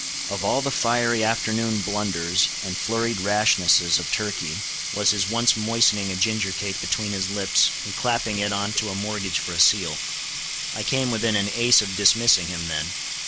Of all the fiery afternoon blunders and flurried rashnesses of Turkey, was his once moistening a ginger cake between his lips, and clapping it on to a mortgage for a seal. I came within an ace of dismissing him then.